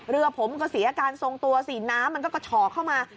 เรือผมก็เสียอาการทรงตัวสิน้ำมันก็กระฉอกเข้ามา